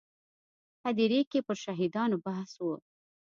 هدیرې کې پر شهیدانو بحث و.